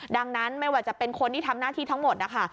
ดังนั้นไม่ว่าจะเป็นคนที่ทำหน้าที่ทั้งหมดนะคะ